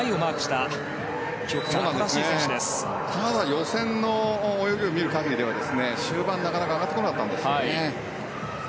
ただ予選の泳ぎを見る限りでは終盤、なかなか上がってこなかったんですね。